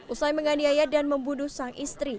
usai menganiaya dan membunuh sang istri